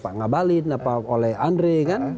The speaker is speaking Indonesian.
pak ngabalin apa oleh andre kan